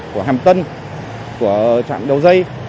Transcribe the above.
của hàm tân của trạm dầu dây